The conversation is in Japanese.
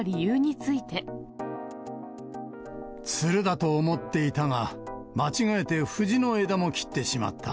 つるだと思っていたが、間違えて藤の枝も切ってしまった。